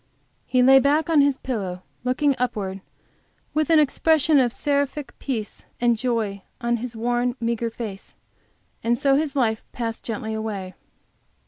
He lay back on his pillow looking upward with an expression of seraphic peace and joy on his worn, meagre face, and so his life passed gently away.